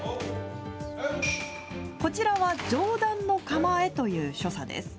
こちらは上段の構えという所作です。